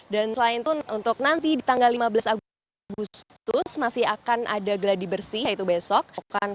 dan selain itu untuk nanti di tanggal lima belas agustus masih akan ada gladi bersih yaitu besok